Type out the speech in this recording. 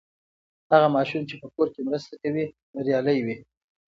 هغه ماشوم چې په کور کې مرسته کوي، بریالی وي.